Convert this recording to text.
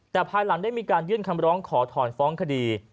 แต่ภายหลังได้มีการยื่นคำร้องขอถอนฟ้องคดี